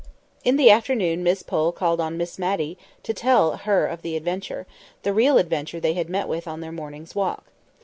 In the afternoon Miss Pole called on Miss Matty to tell her of the adventure—the real adventure they had met with on their morning's walk.